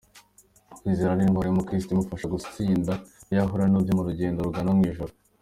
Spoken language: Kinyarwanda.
Kwizera ni intwaro y’umukiristu imufasha gutsinda ibyo ahura nabyo mu rugendo rugana mwijuru.